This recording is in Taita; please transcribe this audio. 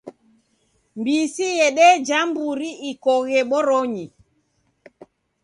Mbisi yedeja mburi ikoghe boronyi.